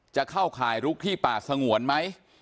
จะเข้าข่ายลุกที่ป่าสงวนไหม